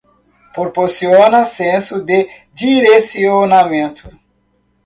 Proporciona senso de direcionamento